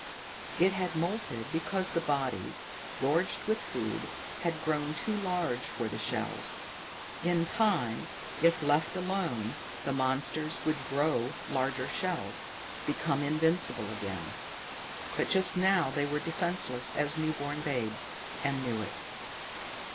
It had moulted because the bodies, gorged with food, had grown too large for the shells. In time, if left alone, the monsters would grow larger shells, become invincible again. But just now they were defenseless as new born babes and knew it.